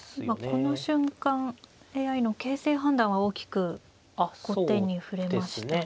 この瞬間ＡＩの形勢判断は大きく後手に振れましたね。